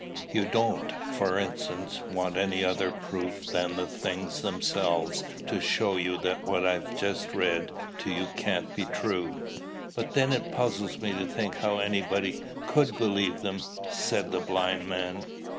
You don't, for instance, want any other proof than the things themselves to show you that what I have just read to you can't be true." "But then it puzzles me to think how anybody could believe them," said the blind man.